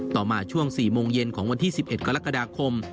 ต่อมาช่วงสี่โมงเย็นของวันที่สิบเอ็ดกรกฎาคม